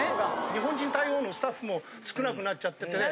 日本人対応のスタッフも少なくなっちゃっててね。